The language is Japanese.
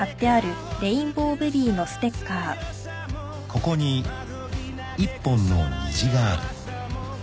［ここに一本の虹がある］